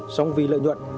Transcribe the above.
xong vì lợi nhuận